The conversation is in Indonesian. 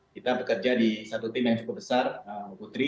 kita bekerja di satu tim yang cukup besar putri